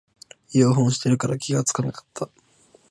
イヤホンしてるから気がつかなかった